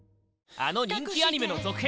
あの人気アニメの続編